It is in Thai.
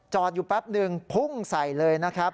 อยู่แป๊บนึงพุ่งใส่เลยนะครับ